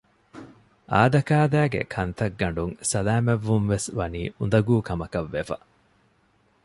އާދަކާދައިގެ ކަންތައްގަނޑުން ސަލާމަތްވުންވެސް ވަނީ އުނދަގޫ ކަމަކަށް ވެފަ